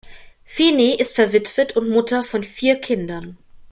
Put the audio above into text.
Feeney ist verwitwet und Mutter von vier Kindern.